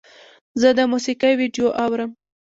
زه د موسیقۍ ویډیو اورم.